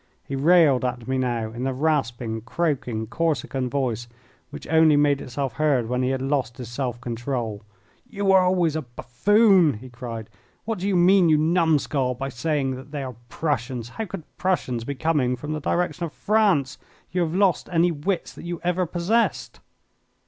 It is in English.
He railed at me now in the rasping, croaking, Corsican voice which only made itself heard when he had lost his self control. "You were always a buffoon," he cried. "What do you mean, you numskull, by saying that they are Prussians? How could Prussians be coming from the direction of France? You have lost any wits that you ever possessed."